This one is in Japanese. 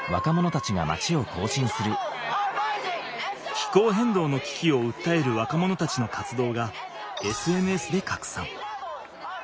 気候変動のききをうったえる若者たちの活動がＳＮＳでかくさん。